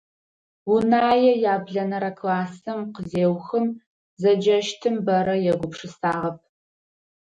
Унае яблэнэрэ классыр къызеухым, зэджэщтым бэрэ егупшысагъэп.